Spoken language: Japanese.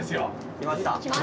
きました。